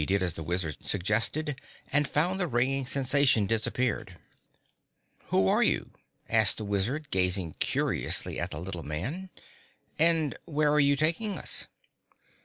Dorothy did as the Wizard suggested and found the ringing sensation disappeared. "Who are you?" asked the Wizard gazing curiously at the little man. "And where are you taking us?"